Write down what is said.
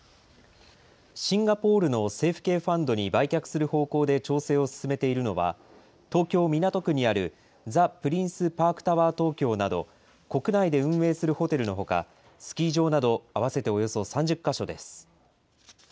シンガポールの政府系ファンドに売却する方向で調整を進めているのは、東京・港区にあるザ・プリンスパークタワー東京など、国内で運営するホテルのほか、スキー場など合わせておよそ３０か所です。